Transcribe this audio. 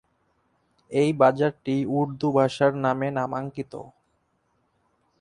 এই বাজারটি উর্দু ভাষার নামে নামাঙ্কিত।